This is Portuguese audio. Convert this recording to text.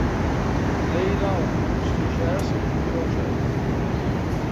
Leila, Augusto, Gerson e Rogério